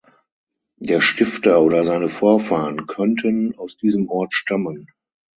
Der Stifter oder seine Vorfahren könnten aus diesem Ort stammen.